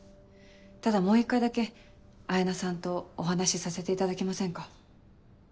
ただもう一回だけ彩菜さんとお話しさせていただけませんか。